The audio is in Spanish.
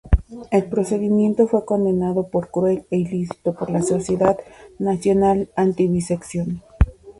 El procedimiento fue condenado por cruel e ilícito por la Sociedad Nacional Anti-vivisección.